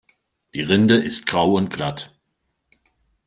Die Rinde ist grau und glatt.